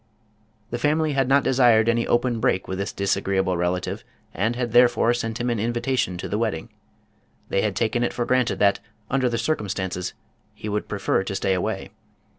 The family had not desired any open break with this dis agreeable relative, and had therefore sent him an invitation to the wedding. They had taken it for granted that, under the circumstances, he would prefer to stay away.